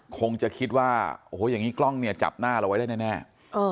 คงจะคิดว่าโอ้โหอย่างนี้กล้องเนี่ยจับหน้าเราไว้ได้แน่